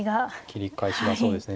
切り返しがそうですね。